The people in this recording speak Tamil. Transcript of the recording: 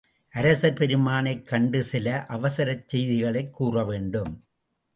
அரசர் பெருமானைக் கண்டு சில அவசரச் செய்திகளைக் கூறவேண்டும்.